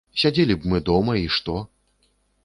Сядзелі б мы дома і што?